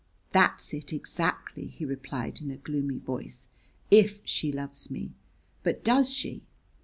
"That's it exactly," he replied in a gloomy voice, "if she loves me! But does she?